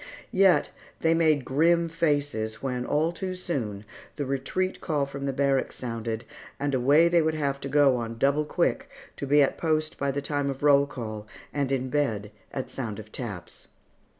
Yet they made grim faces when, all too soon, the retreat call from the barracks sounded, and away they would have to go on the double quick, to be at post by the time of roll call, and in bed at sound of taps.